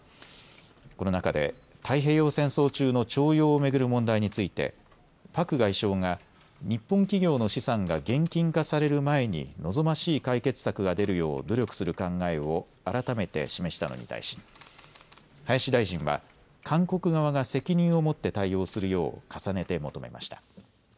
この中で太平洋戦争中の徴用を巡る問題についてパク外相が日本企業の資産が現金化される前に望ましい解決策が出るよう努力する考えを改めて示したのに対し、林大臣は韓国側が責任を持って対応するよう重ねて求めました。